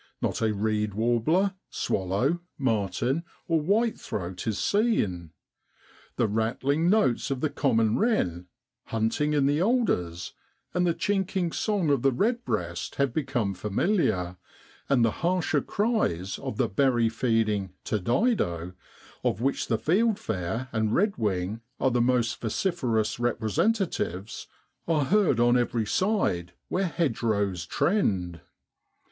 Not a reed warbler, swallow, martin, or whitethroat is seen. The rattling notes of the common wren, hunting in the alders, and the chinking song of the redbreast have become familiar, and the harsher cries of the berry feeding Turdidce of which the fieldfare and redwing are the most vociferous representatives, are heard on every side where hedgerows trend.